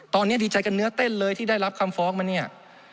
ตอนนี้ดีใจกันเนื้อเต้นเลยที่ได้รับคำฟ้องมาเนี่ย